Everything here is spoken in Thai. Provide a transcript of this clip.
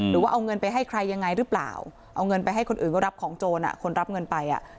หรือว่าเอาเงินไปให้ใครยังไงหรือเปล่าเอาเงินไปให้คนอื่นก็รับของโจรอ่ะคนรับเงินไปอ่ะ